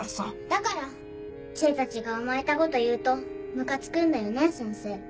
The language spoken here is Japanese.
だから知恵たちが甘えたこと言うとムカつくんだよね先生。